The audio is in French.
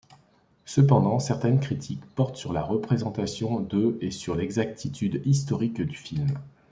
Cependant, certaines critiques portent sur la représentation de et sur l'exactitude historique du film.